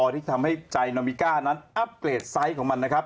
ที่ทำให้ใจโนมิก้านั้นอัพเกรดไซส์ของมันนะครับ